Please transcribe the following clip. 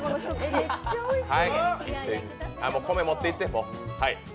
米、持っていって、もう。